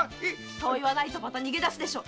そう言わないと逃げ出すでしょ。